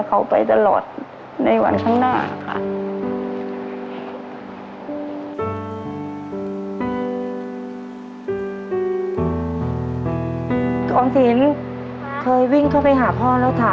ก็อยากจะบอกเขาว่า